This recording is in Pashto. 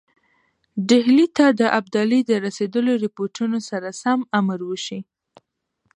ډهلي ته د ابدالي د رسېدلو رپوټونو سره سم امر وشي.